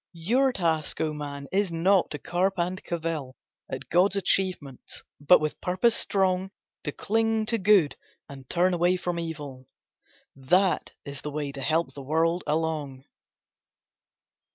Your task, O man, is not to carp and cavil At God's achievements, but with purpose strong To cling to good, and turn away from evil. That is the way to help the world along.